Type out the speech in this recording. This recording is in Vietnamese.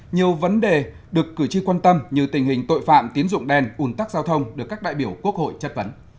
nhiều vấn đề được cử tri quan tâm như tình hình tội phạm tiến dụng đen ủn tắc giao thông được các đại biểu quốc hội chất vấn